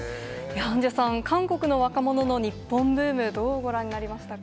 アンジュさん、韓国の若者の日本ブーム、どうご覧になりましたか？